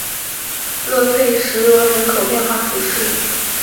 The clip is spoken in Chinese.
勒佩什罗人口变化图示